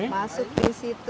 masuk di situ